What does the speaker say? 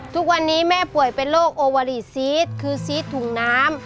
ทุกวันนี้แม่ป่วยเป็นโรคโอวารีซีสคือซีสถุงน้ำ